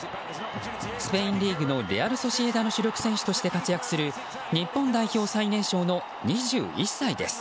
スペインリーグのレアル・ソシエダの主力選手として活躍する日本代表最年少の２１歳です。